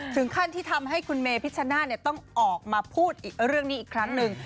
ถึงขั้นที่ทำให้คุณเมพิชชนาธิ์ต้องออกมาพูดอีกเรื่องนี้อีกครั้งหนึ่ง